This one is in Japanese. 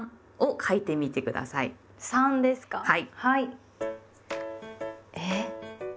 はい。